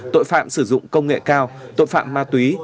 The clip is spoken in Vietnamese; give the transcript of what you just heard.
tội phạm sử dụng công nghệ cao tội phạm ma túy